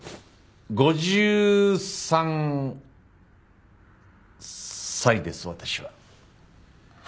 ５３歳です私は。は？